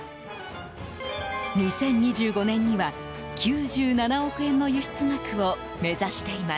２０２５年には９７億円の輸出額を目指しています。